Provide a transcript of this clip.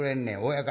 「親方。